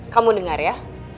kamu dengar ya